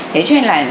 thế cho nên là